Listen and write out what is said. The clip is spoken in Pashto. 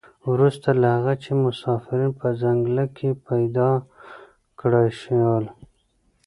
وروسته له هغه چې مسافرین په ځنګله کې پیاده کړای شول.